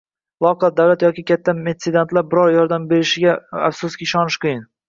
loaqal davlat yoki katta metsenatlar biror yordam berishiga, afsuski, ishonish qiyin.